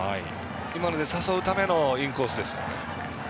今ので誘うためのインコースですよね。